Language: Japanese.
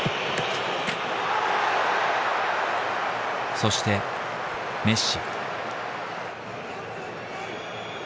そしてメッシ。